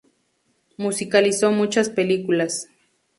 Musicalizó muchas películas.